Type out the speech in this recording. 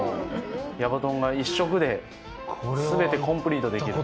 矢場とんが１食で全てコンプリートできる。